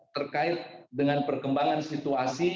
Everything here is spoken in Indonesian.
terkait dengan perkembangan situasi